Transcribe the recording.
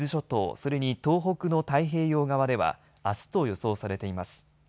それに東北の太平洋側ではあすと予想されています。